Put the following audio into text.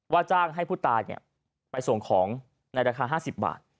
จ้างให้ผู้ตายไปส่งของในราคา๕๐บาท